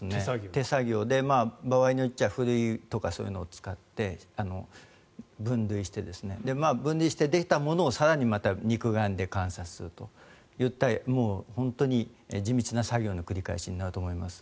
手作業で、場合によってはふるいとかそういうのを使って分類して分類してできたものを更にまた肉眼で観察するといった本当に地道な作業の繰り返しになると思います。